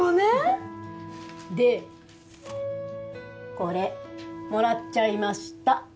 これもらっちゃいました